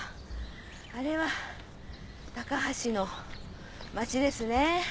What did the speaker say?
あれは高梁の町ですね。